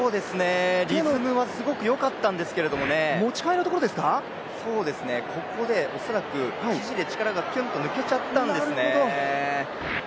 リズムはすごくよかったんですけれどもここで恐らく、肘で力がひゅんと抜けちゃったんですね。